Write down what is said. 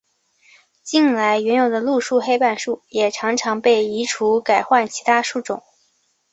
近来原有的路树黑板树也常常被移除改换其他树种。